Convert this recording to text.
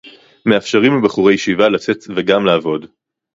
מאפשרים לבחורי ישיבה לצאת וגם לעבוד